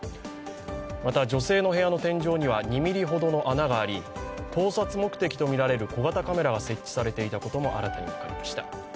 また、女性の部屋の天井には２ｍｍほどの穴があり盗撮目的とみられる小型カメラが設置されていたことも新たに分かりました。